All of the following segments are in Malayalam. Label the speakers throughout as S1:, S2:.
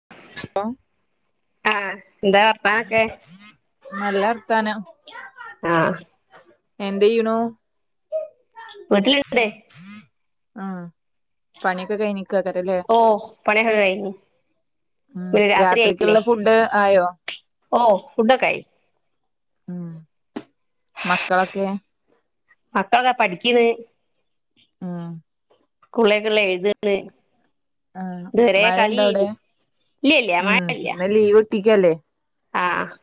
S1: [inaudible]
S2: ആ എന്താ വർത്താനൊക്കെ?
S1: നല്ലർത്താനം.
S2: ആ
S1: എന്തെയ്ണു?
S2: വീട്ടില്ണ്ടേ.
S1: ആ പണിയൊക്കെ കഴിഞ്ഞ്
S2: ഓ പണിയൊക്കെ കഴിഞ്ഞ്.
S1: ഉം
S2: ഒരു രാത്രി ആയില്ലേ
S1: രാത്രിക്കുള്ള ഫുഡ് ആയോ
S2: ഓ ഫുഡോക്കായി.
S1: ഉം മക്കളൊക്കെ?
S2: മക്കൾത പഠിക്ക്ന്ന്.
S1: ഉം
S2: സ്കൂളെയ്ക്കൊള്ള എഴ്താണ്.
S1: ആ മഴണ്ടോവിടെ
S2: ഇല്ല ഇല്ല
S1: ഉം
S2: മഴ ഇല്ല
S1: ഇന്ന് ലീവ് ട്ടിക്കല്ലേ?
S2: ആഹ്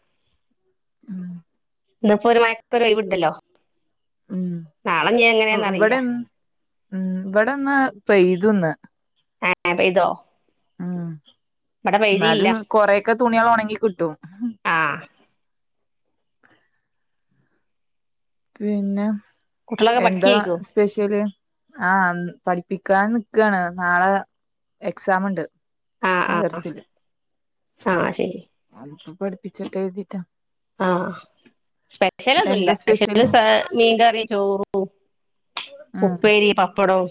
S1: [unintelligible]
S2: ഇന്നിപ്പോ ഒരു മഴക്ക് ഒരു ഒഴിവുട്ടല്ലോ
S1: ഇവിടൊന്നും ഇവിടന്ന് പെയ്തു ഇന്ന്
S2: ഹ ഹ പെയ്തോ
S1: മ്
S2: ഇവിടെ പെയ്തിയില്ല
S1: ഇന്നാലും കുറെയൊക്കെ തുണിയാള് ഒണങ്ങി കിട്ടും
S2: ആഹ്
S1: പിന്നെ
S2: കുട്ടികളൊക്കെ
S1: എന്താ
S2: പഠിക്കായിരിക്കും
S1: സ്പെഷ്യൽ പഠിപ്പിക്കാൻ നിക്കാണ് നാളെ എക്സാമിൻഡ് ആ എറച്ചിഇണ്ട്
S2: ആ ശെരി
S1: പഠിപ്പിച്ചട്ടെന്ന് കർതീട്ടാ
S2: ആ സ്പെഷ്യൽ ഒന്നുല്ല്യാ സ്പെഷ്യല് മീൻ കറിയും ചോറും
S1: ഉം
S2: ഉപ്പേരി പപ്പടം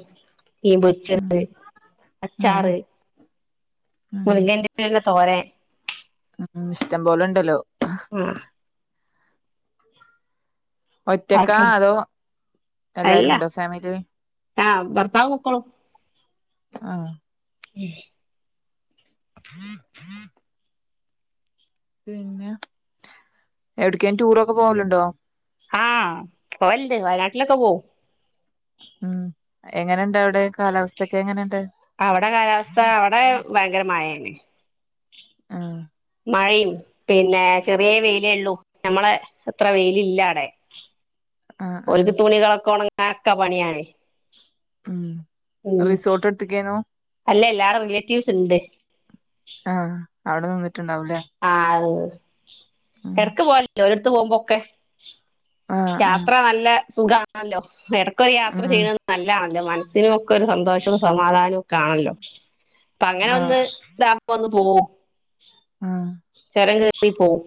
S2: മീൻ പൊരിച്ചത്
S1: ഉം
S2: അച്ചാർ
S1: ഉം ഉം
S2: മുരിങ്ങന്റലതോരൻ
S1: ഉം ഇഷ്ടം പോലെ ഉണ്ടല്ലോ
S2: മ്
S1: ഒറ്റക്കാ
S2: ആക്കെ
S1: അതോ എല്ലാരും ഉണ്ടോ ഫാമിലി
S2: ആ പപ്പാവും ഉപ്പയും
S1: ആ
S2: [unintelligible]
S1: [inaudible] പിന്നെ എവിടേക്കെങ്കിലും ടൂർ ഒക്കെ പോവലുണ്ടോ
S2: ആ പോവലുണ്ട് വയനാട്ടിൽ ഒക്കെ പോവും
S1: [unintelligible] എങ്ങനേഇണ്ട് അവിടെ കാലാവസ്ഥക്കെ എങ്ങനെണ്ട്
S2: അവിടെ കാലാവസ്ഥ അവിടെ ഭയങ്കര മഴ ആണ്
S1: മ്
S2: മഴയും പിന്നെ ചെറിയ വെയിലെ ഒള്ളു നമ്മളെ അത്ര വെയിൽ ഇല്ല അവിടെ
S1: ആഹ് ആഹ്
S2: ഓല്ക്ക് തുണികളൊക്കെ ഒണങ്ങ അതൊക്കെ പണിയാണ്
S1: [unintelligible]
S2: ഉം
S1: റിസോർട്ട് എടുത്തക്കയ്ഞ്ഞു
S2: അല്ല എല്ലാരെ റിലേറ്റീവ്സ് ഇണ്ട്
S1: ആഹ് അവിടെ നിന്നിട്ടുണ്ടാവുംല്ലേ
S2: ആ
S1: ഉം
S2: എടക്ക് പോവലിണ്ട് ഓലെഅടുത്ത് പോവുമ്പോ ക്കെ
S1: ആഹ് ആഹ്
S2: യാത്ര നല്ല സുഖാണല്ലോ നേര ക്കൊരു യാത്ര
S1: ഉം
S2: ചെയ്യുന്നത് നല്ലാ മനസിനൊക്കൊരു സന്തോഷവും സമാധാനമൊക്കെ ആണല്ലോ പ്പങ്ങനൊന്ന്
S1: ആഹ്
S2: താവുമ്പൊന്ന്പോവും ചൊരം കേറി പോകും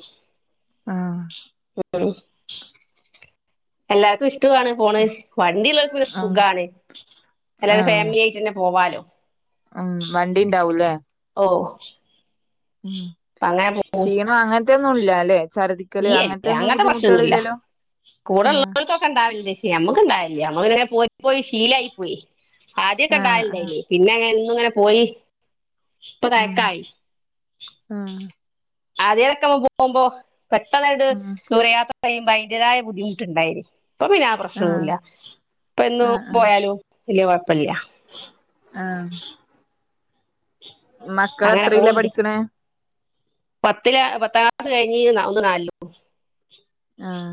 S1: ആഹ്
S2: ഉം എല്ലാർക്കും ഇഷ് ടമാണ് പോണത് വണ്ടിയുള്ളവർക്ക് പിന്നെ
S1: ആഹ്
S2: സുഖാണ്
S1: ആഹ്
S2: അല്ലാതെ
S1: ആഹ്
S2: ഫാമിലിയായിട്ട് തന്നെ പോവാല്ലോ
S1: ഉം വണ്ടിണ്ടാവൂല്ലേ
S2: ഓഹ്
S1: ഉം ക്ഷീണമങ്ങ തൊന്നൂല്ലാല്ലേ
S2: യ്യേ അങ്ങനത്തെ പ്രശനൊന്നുല്ല കൂട
S1: ആഹ്
S2: ള്ളോൽക്കൊക്കെ ണ്ടാവേണ്ട് ഞമ്മക്കില്ല ഞമ്മക്ക്ണ്ടാവേല്ല അങ്ങനൊന്നും പോയി ശീലായിപ്പോയി ആദ്യൊക്കെ
S1: ആഹ് ആഹ്
S2: ണ്ടാവല്ണ്ടെയ്നി പിന്നെ എന്നുങ്ങനെ
S1: ആഹ്
S2: പോയി പ്പ
S1: ഉം
S2: കറക്റ്റായി
S1: ആഹ്
S2: ആദൃൊക്കെ പോവുമ്പോ പെട്ടെന്നിട്
S1: ആഹ്
S2: ദൂരെ യാത്ര പറയുമ്പയി അതിൻ്റേതായ ബുദ്ധിമുട്ടായി പ്പോ പിന്നെ ആ
S1: ആഹ്
S2: പ്രശ്നോന്നുമില്ല പ്പോ എന്നും
S1: ആഹ് ആഹ്
S2: പോയാലും വലിയ കൊഴപ്പ ഇല്ല
S1: ആഹ് മക്കൾ എത്രിലാ പഠിക്കുന്നെ
S2: പത്തിലാ പത്താം ക്ലാസ് കഴിഞ്ഞ് ഒന്ന് നാലിലും
S1: ആഹ്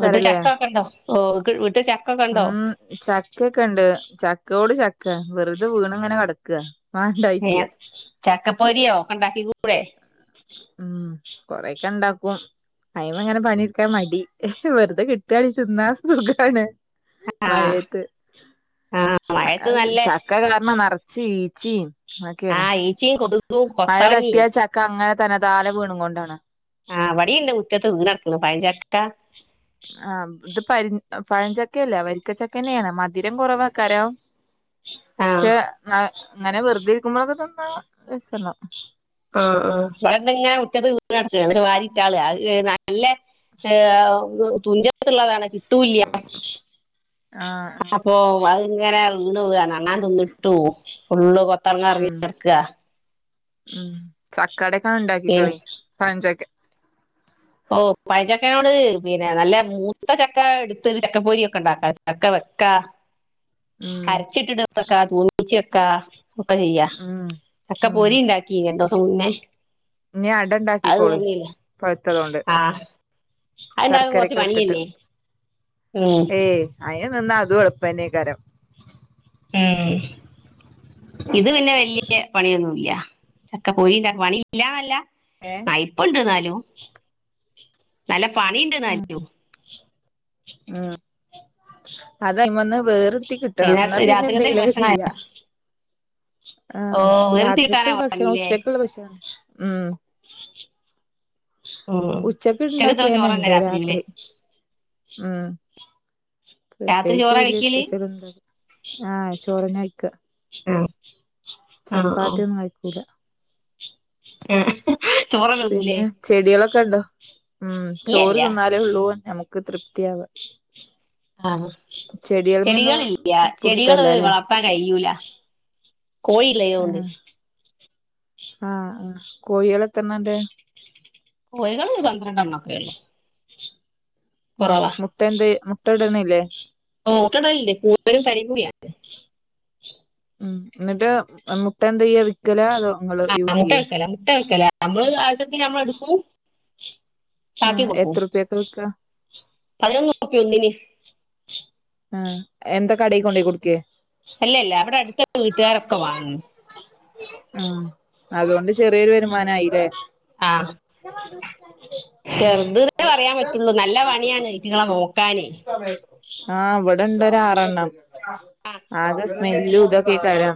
S2: വീട്ടില് ചക്ക ഒക്കൊണ്ടോ ഓഹ് ക്ക്
S1: ആഹ് ചക്ക ഒക്കെ ഉണ്ട് ചക്കയോട് ച ക്ക വെറുതെ വീണങ്ങനെ കടക്കുവാ
S2: ഏ ചക്കപ്പൊരിയോ ഒക്കെ ഉണ്ടാക്കി [unintelligible]
S1: ഉം കുറെയൊക്കെ ഉണ്ടാക്കും അയിൻമേ ഇങ്ങനെ പണി എടുക്കാൻ മടി വെറുതെ കിട്ടുവാണേ തിന്നാ സുഖാണ്
S2: ആ
S1: മഴയത്ത്
S2: ആ മഴയത്ത്
S1: അത്
S2: നല്ല
S1: ചക്ക കാരണം നറച്ച് ഈ ച്ചിം
S2: ആഹ് ഈച്ചയും കൊതുവും കൊത്തളങ്ങയും
S1: ത്തനെ താലെ വീണുംകൊണ്ടാണ്
S2: ആ വടിണ്ട് മുറ്റത്ത് പഴഞ്ചക്ക വീണ് ക്ണ്
S1: ആ ഇത് പഴ പഴഞ്ചക്കല്ലേ വെര്ക്ക ചക്കെഞ്ഞെണ് മധുരം കുറവേക്കാരം
S2: ആ
S1: ക്ഷേ ന അങ്ങനെ വെറുതെ ഇരിക്കുമ്പോൾ ഒക്കെ തന്നാ രസള്ള
S2: ആ ആ ഇവങ്ങനെ മുറ്റത്ത് വീണ് കട്ക്കാണ്‌ അത് വാരിട്ടാള അല്ലെ [unintelligible] ഉള്ളതാണ് കിട്ടൂല്ല
S1: ആഹ് ആഹ്
S2: അപ്പോ, അത്ങ്ങനെ ഇന്നോവണോ ഞാനൊന്നിട്ടുപു കൊത്തളങ്ങാ ഇറങ്ങി
S1: ഉം
S2: കിടക്കുവാ
S1: ഉം ചക്കേടെ ഉണ്ടക്കി കളയും
S2: ഓ പഴം ചക്കേനോട് പിന്നെ നല്ല മൂത്ത ചക്ക എടുത്തു ചക്കപ്പൊരി ഒക്കെ ഉണ്ടാക്കാം.
S1: ഉം
S2: ഹരിച്ചിട്ടിട്ട് കാ ക്കെ ചെയ്യ
S1: ഉം
S2: ചക്ക
S1: ഉം
S2: പൊരിയുണ്ടാക്കിനി തു നെ
S1: ഇനി അട ഇണ്ടാക്കിക്കോളി
S2: ആ അതുണ്ടാക്കാൻ കുറച്ച്
S1: ശർക്കരയൊക്കെ ഇട്ടിട്ട്
S2: പണിയല്ലേ ഉം
S1: ഏ അയ് എന്ന അതു എളുപ്പന്നേക്കാ രം
S2: ഇത് പിന്നെ വല്യ പണിയൊന്നുമില്ല ഇല്ല, ചക്ക പൊരി ഉണ്ടാക്കാൻ പണിയില്ല ഇല്ല
S1: ഏഹ്
S2: കൈപ്പ്ണ്ട് ന്നാലും [unintelligible] പണിയുണ്ടെന്നായിരിക്കും
S1: ആ അതയന്ന് വേറ് ത്തി കിട്ടണം എന്നാ
S2: വൈകുന്നേരത്തെ
S1: പിന്നെ
S2: രാത്രികത്തേക്ക്
S1: എന്തെങ്കിലുമൊക്കെ
S2: ഭക്ഷണമായ
S1: ചെയ്യാം ആ,
S2: ഓ വേർത്തി
S1: രാത്രിക്ക്
S2: കിട്ടാനാ
S1: ഭക്ഷണം
S2: പണിയില്ലേ
S1: ഉച്ചക്കുള്ള ഭക്ഷണം ഉം
S2: ഉം
S1: ഉച്ചയ്ക്ക്
S2: ഉച്ചക്കത്തെ
S1: ഉണ്ടാക്കിയത്
S2: ചോറന്നെ
S1: തന്നെയുണ്ട്
S2: രാത്രിയിലെ
S1: രാത്രി,
S2: രാത്രി ചോറാ
S1: പ്രത്യേകിച്ച്
S2: വെക്കല്
S1: സ്പെഷ്യൽ ഒന്നുമില്ല ആഹ് ചോറ് നൈക്ക്
S2: ആ
S1: ചപ്പാത്തി ഒന്നും ആയ്ട്ടില്ല
S2: മ്
S1: പിന്നെ ചെടികളൊക്കെ ഉണ്ടോ മ് ചോറ്
S2: ഇല്ലല്ല
S1: തിന്നാലെഉളളൂ [unintelligible] ഒരു തൃപ്തിയാവുക
S2: ആഹ് ചെടികളില്ല ചെടികള്
S1: പുടുത്തല്ലല്ലേ
S2: വളര്‍ത്താൻ കഴിയൂല കോഴി ലെ ഉണ്ട്
S1: ആ ആ കോഴികള്‍ എത്രണ്ണം ഉണ്ട്
S2: കോഴികള് ഒരു പന്ത്രണ്ട്എണ്ണം ഒക്കെഉള്ളു
S1: മ് മുട്ടന്തേ മു പ്പ ഇടുന്നില്ലെ
S2: ഓ മുട്ടടലില്ലേ [unintelligible]
S1: മ് എന്നിട്ട് മുട്ട എന്തുചെയ്യാ വിക്കലോ അതോ ഇങ്ങള്
S2: ആഹ്
S1: യൂസ്
S2: മുട്ട
S1: ചെയ്യേ
S2: വക്കല മുട്ട വക്കല നമ്മള് ആവശ്യത്തിന് നമ്മള് എടുക്കും ബാക്കി
S1: ആഹ്
S2: കൊടുക്കും
S1: എത്ര റുപ്യക്ക വിക്ക
S2: പകര ബാക്കി ഒന്നിന്
S1: ഉം എന്താ കടയികൊണ്ട കൊടുക്കേ
S2: വീട്ടുകാർ ഒക്കെ വാങ്ങും
S1: ആഹ് അതുകൊണ്ട് ചെറിയൊരു വരുമാനമായില്ലേ
S2: ആഹ് ചെറുത് ന്ന് പറയാൻപറ്റുളളു നല്ല പണിയാണ് ഇവറ്റുങ്ങളെ നോ
S1: ആഹ് ഇവിടുണ്ട് ഒരു ആറെണ്ണം
S2: ആ
S1: ആകെ സ്മേല്ലും ഇതൊക്കെയായിക്കര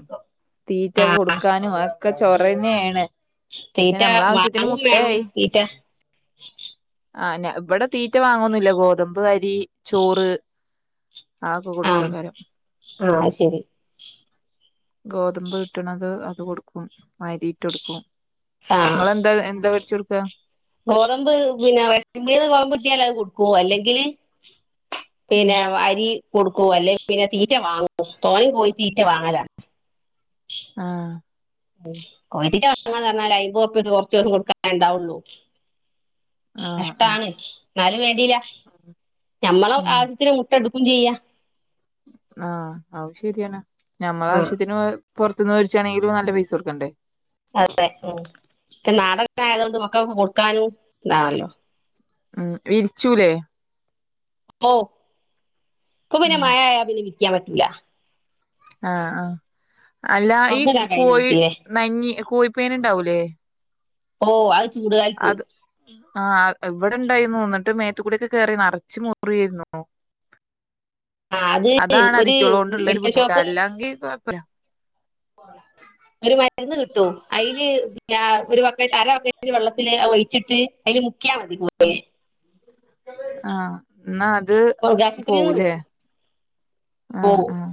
S2: ആ
S1: തീറ്റകൊടുക്കാനും ആ ചോറ് തന്നെയാണ്
S2: തീറ്റ വാങ്ങിവേണം തീറ്റ
S1: ആഹ് ന ഇവിടെ തീറ്റ വാങ്ങുന്നില്ല ഗോതമ്പ് അരി ചോറ് ആക്കെ
S2: ആഹ്
S1: കൊടുക്കക്കാരം
S2: ആഹ് ശരി
S1: ഗോതമ്പ് കിട്ടണത് അത് കൊടുക്കും അരിഇട്ട് കൊടുക്കും
S2: ആ
S1: അത് എന്ത എന്താപറ്റി കൊടുക്കുക
S2: ഗോതമ്പ് പിന്നാ [unintelligible] ഗോതമ്പ് കിട്ടിയാൽ കൊടുക്കുവോ അല്ലെങ്കില്
S1: ഉം
S2: പിന്നെ അരി കൊടുക്കുവോ അല്ലെങ്കില്‍ പിന്നെ തീറ്റ വാങ്ങുമോ [unintelligible] പോയി തീറ്റ വാങ്ങല
S1: ആഹ്
S2: കോയിതീറ്റ വാങ്ങാൻ എന്ന് പറഞ്ഞാല് അയിൻപതു റുപ്പികക്ക് കൊറച്ചു ദിവസം കൊടുക്കാനല്ലേ ഉണ്ടാകുള്ളൂ
S1: ആഹ് ആഹ്
S2: കഷ്ട്ടാണ് എന്നാലും വേണ്ടില്ല ഞമ്മള്
S1: ഉം
S2: ആവശ്യത്തിന് മുട്ട ഇടുക് പുഞ്ചിചെയ്യ
S1: ആഹ് അത് ശരിയാണ് ഞമ്മളെ
S2: ആ
S1: ആവശ്യത്തിന് പൊറത്ത്ന്നു വേട്ച്ചാണെങ്കിലും നല്ല പൈസ കൊട്ക്കണ്ടെ
S2: അതെ ഉം ക്കെ നാടന്നെ ആയത് [unintelligible] ഇത് മക്കക്ക് കൊടുക്കാനും ഇതാണല്ലോ
S1: ആഹ് വിരിച്ചൂലേ?
S2: ഓഹ് ഇക്കും പിന്നെ
S1: ഉം
S2: മയായ പിന്നെ വി ക്ക്യാൻ പറ്റൂല.
S1: ആഹ് ആഹ് അല്ലാ ഈ
S2: തുറന്നിടാൻ കഴിഞ്ഞു
S1: കോയി
S2: തീരെ
S1: നഞ്ഞി കോയ് പേന്ണ്ടാവൂലേ
S2: ഓഹ് അഹ് ചൂട്കാലത്ത്
S1: ആഹ് ഇവിടെണ്ടായ്ന്നു ന്നട്ട് മേത്ത്കൂട്യെക്കെ കേറി നറച്ച് മുറി യേര്ന്നൂ.
S2: ആ അത്
S1: അതാണ്
S2: ഒരു
S1: അതിച്ചോളോണ്ട്ള്ളൊരു
S2: മെഡിക്കൽ
S1: ബുദ്ധിമുട്ട്
S2: ഷോപ്പ്
S1: അല്ലാങ്കി കോഴപ്പ [unintelligible]
S2: ഒരു മരുന്ന് കിട്ടും അയില് പിന്നെ ഒരു ബക്കറ്റ് അര ബക്കറ്റ് വെള്ളത്തില് അത് ഒയ്ച്ചിട്ട് അയ്ല് മു ക്ക്യാ മതി കോയി
S1: ആഹ് ന്നാ അ ദ്
S2: മൃഗാശുപത്രിയിൽ നിന്ന്
S1: പോവൂലേ
S2: കിട്ടും ഓ
S1: ആഹ് ആഹ്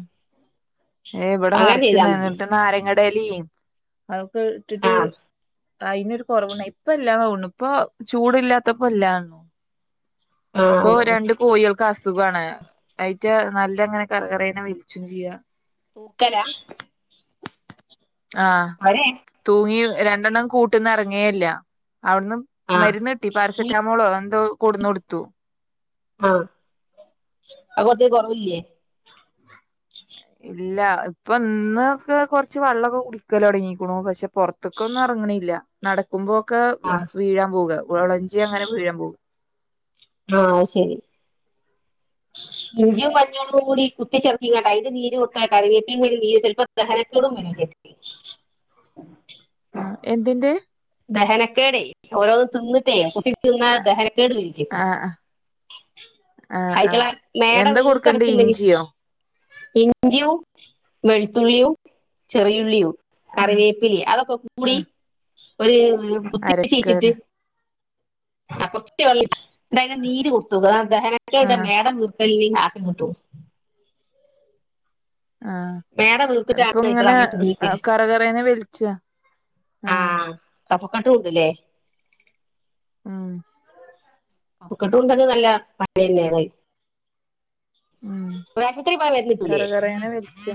S1: ഏഹ് ഇവട
S2: അങ്ങനെ
S1: നറച്ച്
S2: ചെയ്താൽ
S1: ഇണ്ടാരുന്നു
S2: മതി
S1: ന്നിട്ട് നാര ങ്ങടേലിം ആഹ് ക്ക ഇട്ടിട്ട്
S2: ആ
S1: അയിന് ഒരു കൊറവുണ്ടായ് ഇപ്പല്ലാന്ന് തൊന്ണു ഇപ്പ ചൂടില്ലാത്തപ്പോ ഇല്ലാ
S2: ആ
S1: ഇപ്പൊ രണ്ട് കോയികള് ക്കസുഖാണ് അയിറ്റ നല്ലെങ്ങനെ കറ കറെന്ന് മരിച്ച് വീഴ്കാ
S2: തൂക്കലാ
S1: ആഹ് തൂങ്ങി വേ രണ്ടെണ്ണം കൂട്ടീന്ന് ഇറങ്ങേ ഇല്ലാ അവിടുന്ന്
S2: ആ
S1: മരുന്ന് കിട്ടി
S2: ഈ
S1: പാരസെറ്റ് റ്റാമോളോ എന്തോ കൊണ്ടുന്ന് കൊടുത്തു
S2: ആഹ [unintelligible] കൊറവില്ലേ
S1: ഇല്ല ഇപ്പം ഇന്ന് ഒക്കെ കൊറച്ച് വെള്ളം ഒക്കെ കുടിക്കല് തൊടങ്ങിക്കണു പൊത്തെക്കൊന്നും ഇറങ്ങണില്ല നടക്കുമ്പോ ക്കാ
S2: ആ
S1: വീഴാമ്പോവാ [unintelligible]
S2: ആഹ ശരി [unintelligible]
S1: അ എന്തിൻ്റെ
S2: ദഹനക്കേടെ ഓരോ തിന്നിട്ടേ [unintelligible] ദഹനകേട്
S1: ആഹ് ആഹ് ആഹ് ആഹ് എന്താ കൊടുക്കണ്ടേ ഇഞ്ചിയോ
S2: [unintelligible] വെളുത്തുള്ളിയും ചെറി ഉള്ളിയും
S1: ഉം
S2: കറിവേപ്പില അതൊക്കെ
S1: ആ
S2: കൂടി ഒരു
S1: അരക്കല്ലേ
S2: [unintelligible] ആ കൊച്ച് അതിൻ്റെ നീര് കൊടു തോക്ക് അതാ ദഹനകേട
S1: ആഹ്
S2: [unintelligible] [unintelligible]
S1: ആഹാ
S2: അതിറ്റുള്ള
S1: അതുങ്ങനെ
S2: അങ്ങനെ തുണിക്കുക
S1: കറകറയന്ന് വലിച്ചാ ആഗ
S2: ആഹ് [unintelligible]
S1: ഉം
S2: കപ്പകെട്ടും ഉണ്ടെന്നാല് പനയെനാന്ന്
S1: ഉം
S2: ആശുപത്രിയിൽ പോയാൽ മരുന്ന് കിട്ടൂലെ
S1: കറകറേനെ വലിച്ച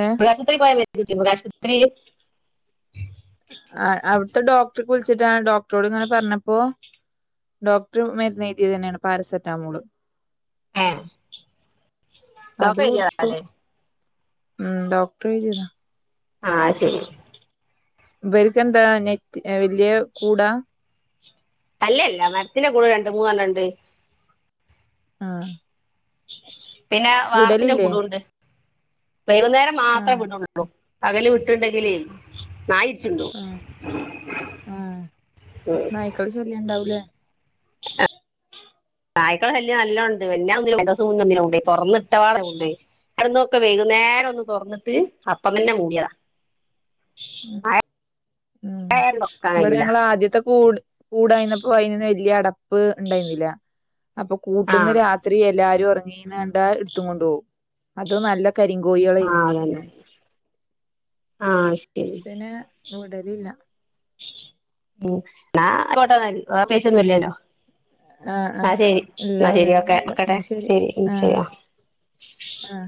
S1: ഏഹ്
S2: [unintelligible] [unintelligible]
S1: [unintelligible] ടോക്‌ടറോട് പറഞ്ഞാപ്പോ ടോക്ടർ മരുന്ന് എയിതിയത് തന്നെയാണ് പാരസെറ്റാമോള്
S2: ആഹ
S1: അത് കൊടുത്തു
S2: [unintelligible]
S1: ഉം ടോക്‌ടർ എഴുതിയതാ
S2: ആഹാ ശരി
S1: ഇവർക്കെന്താ നെറ്റ് വലിയാ കൂടാ
S2: അല്ല അല്ല മരത്തിന്റെ കൂട് രണ്ടുന്നണ്ണം ഉണ്ട്
S1: ആഹ
S2: പിന്നെ വാർപ്പിന് കൂടുണ്ട് വൈകുന്നേരം മാത്ര
S1: ആഹ്
S2: ഇവിടൊളളു പകല്
S1: ആഹ് ആഹ്
S2: ഇ
S1: നായ്ക്കളെ ശല്യം ഉണ്ടാവൂലേ
S2: [unintelligible] നായ്കളാ ശല്യം നല്ലൊ ഉണ്ട് [unintelligible] വൈകുന്നേരം ഒന്നു തൊറന്നിട്ട് അപ്പം തന്നെ മുടിയതാ
S1: ഉം ഉം
S2: മഴയായാലും തൊറക്കാൻ
S1: ഇവടെ
S2: കഴിയൂല
S1: ഞങ്ങള് ആദ്യത്തെ കൂട് കൂടായിന്നപ്പൊ അയിന് നേരിയ അടപ്പ് അണ്ടായിന്നില്ലാ അപ്പ കൂട്ട്ന്ന്
S2: ആഹ്
S1: രാത്രി എല്ലാരും ഒറ വീണണ്ടാ എടുത്തും കൊണ്ട് പോം അത് നല്ല
S2: ആ
S1: കരിങ്കോഴികളായിരുന്നു
S2: അതന്നെ ആ അയ്ഷ്
S1: പിന്നേ മൂടലില്ല
S2: ഉം നാ കോട്ടെന്നാല് വോക്കേഷൊന്നുല്ലല്ലോ
S1: ആ അ
S2: ഓക്കെ
S1: എല്ലാവരുന്നുല്ല
S2: വെക്കട്ടെ
S1: ന്നാ ശെരി
S2: ശരി ഉം ശരി
S1: ആഹ്
S2: ആ
S1: ആ